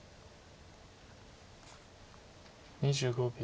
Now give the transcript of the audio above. ２５秒。